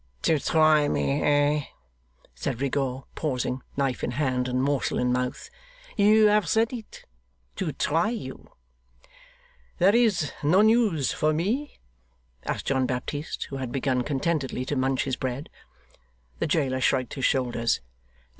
'To try me, eh?' said Rigaud, pausing, knife in hand and morsel in mouth. 'You have said it. To try you.' 'There is no news for me?' asked John Baptist, who had begun, contentedly, to munch his bread. The jailer shrugged his shoulders.